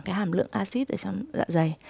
cái hàm lượng acid ở trong dạ dày